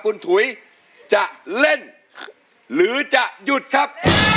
คุณถุยจะเล่นหรือจะหยุดครับ